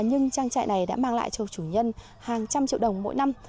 nhưng trang trại này đã mang lại cho chủ nhân hàng trăm triệu đồng mỗi năm